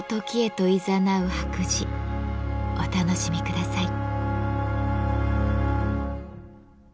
お楽しみください。